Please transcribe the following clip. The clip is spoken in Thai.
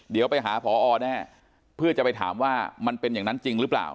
เดี๋ยวไปหาพอแน่เพื่อจะไปถามว่ามันเป็นอย่างนั้นจริงหรือเปล่า